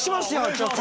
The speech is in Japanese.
ちょっと。